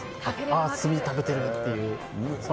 ああ、炭火の食べてるっていう。